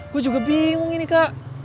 gue juga bingung ini kak